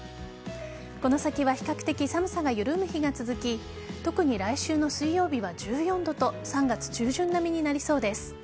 この先は比較的、寒さが緩む日が続き特に来週の水曜日は１４度と３月中旬並みになりそうです。